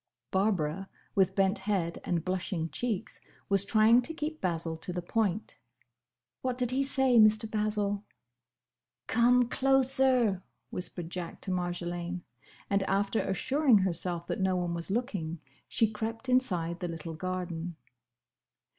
Barbara, with bent head and blushing cheeks was trying to keep Basil to the point. "What did he say, Mr. Basil?" "Come closer!" whispered Jack to Marjolaine, and after assuring herself that no one was looking, she crept inside the little garden.